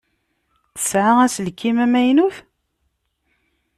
Tesɛa aselkim amaynu?